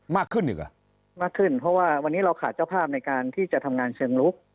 มากขึ้นอีกเหรอมากขึ้นเพราะว่าวันนี้เราขาดเจ้าภาพในการที่จะทำงานเชิงลุก